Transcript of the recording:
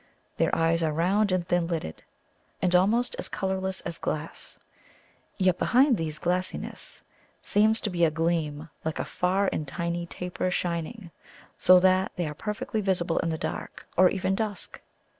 Their eyes are round and thin lidded, and almost as colourless as glass. Yet behind their glassiness seems to be set a gleam, like a far and tiny taper shining, so that they are perfectly visible in the dark, or even dusk.